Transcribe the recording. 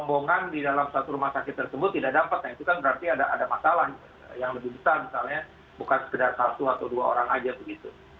bukan sekedar satu atau dua orang saja begitu